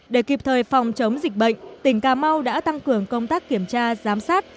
để kịp thời phòng chống dịch bệnh tỉnh cà mau đã tăng cường công tác kiểm tra giám sát